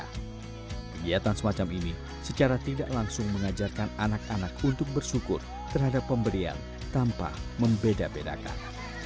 kegiatan semacam ini secara tidak langsung mengajarkan anak anak untuk bersyukur terhadap pemberian tanpa membeda bedakan